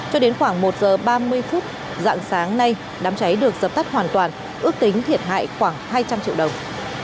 cho đến khoảng một giờ ba mươi phút dạng sáng nay đám cháy được dập tắt hoàn toàn ước tính thiệt hại khoảng hai trăm linh triệu đồng